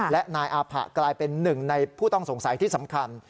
และนายอาผะกลายเป็นหนึ่งในผู้ต้องสงสัยที่สำคัญ